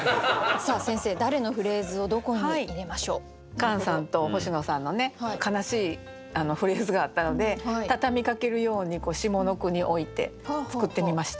カンさんと星野さんのね悲しいフレーズがあったので畳みかけるように下の句に置いて作ってみました。